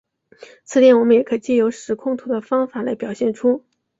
此点我们也可藉由时空图的方法来表现出。